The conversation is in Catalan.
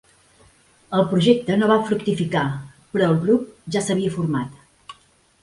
El projecte no va fructificar però el grup ja s'havia format.